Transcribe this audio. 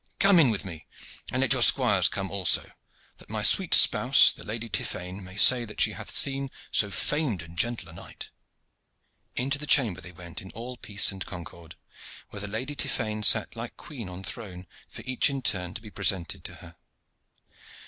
Come in with me, and let your squires come also, that my sweet spouse, the Lady Tiphaine, may say that she hath seen so famed and gentle a knight." Into the chamber they went in all peace and concord, where the Lady Tiphaine sat like queen on throne for each in turn to be presented to her.